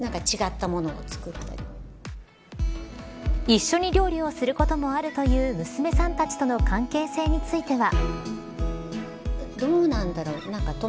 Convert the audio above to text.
一緒に料理をすることもあるという娘さんたちとの関係性については。